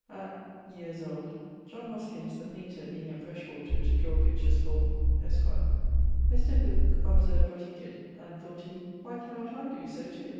At ... yeares old, John Hoskyns, the painter, being at Freshwater, to drawe pictures for ... esqre, Mr. Hooke observed what he did, and, thought he, 'why cannot I doe so too?'